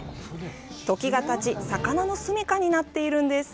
時がたち魚の住みかになっているんです。